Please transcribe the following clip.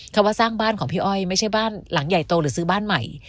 ว่าสร้างบ้านของพี่อ้อยไม่ใช่บ้านหลังใหญ่โตหรือซื้อบ้านใหม่